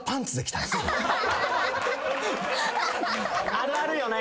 あるあるよね。